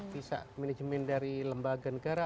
visa manajemen dari lembaga negara